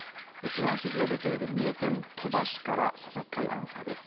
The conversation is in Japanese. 避難指示が出ている三重県鳥羽市から佐々木快アナウンサーです。